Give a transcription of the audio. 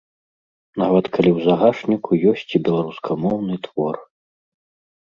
Нават калі ў загашніку ёсць і беларускамоўны твор.